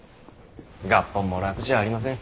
合本も楽じゃありません。